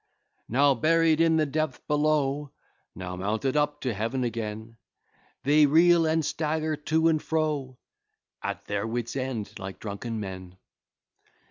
"Now buried in the depth below, Now mounted up to Heaven again, They reel and stagger to and fro, At their wits' end, like drunken men."